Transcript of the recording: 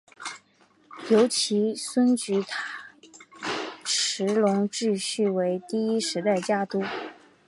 由其孙菊池时隆继位为第十一代家督。